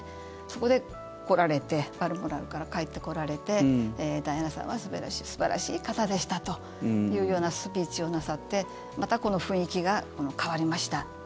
そこで来られてバルモラルから帰ってこられてダイアナさんは素晴らしい方でしたというようなスピーチをなさってまた雰囲気が変わりました。